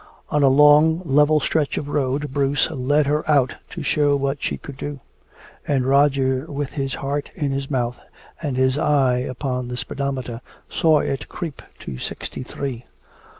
On a long level stretch of road Bruce "let her out to show what she could do." And Roger with his heart in his mouth and his eye upon the speedometer, saw it creep to sixty three.